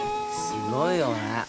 すごいよね。